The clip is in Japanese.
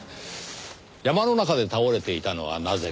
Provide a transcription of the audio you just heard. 山の中で倒れていたのはなぜか。